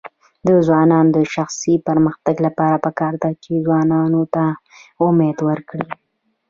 د ځوانانو د شخصي پرمختګ لپاره پکار ده چې ځوانانو ته امید ورکړي.